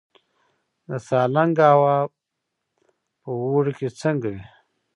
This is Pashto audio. د سالنګ هوا په اوړي کې څنګه وي؟